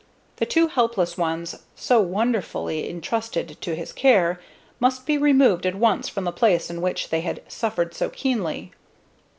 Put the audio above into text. The two helpless ones, so wonderfully intrusted to his care, must be removed at once from the place in which they had suffered so keenly.